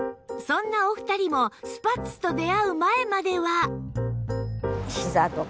そんなお二人もスパッツと出会う前までは